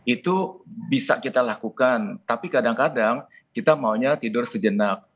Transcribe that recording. itu bisa kita lakukan tapi kadang kadang kita maunya tidur sejenak